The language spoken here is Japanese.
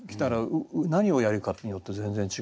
何をやるかによって全然違うっていう。